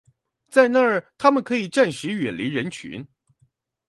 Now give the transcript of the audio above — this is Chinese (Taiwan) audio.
在那兒他們可以暫時遠離人群